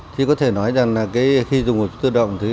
thì có thể nói rằng là khi dùng một số tự động thì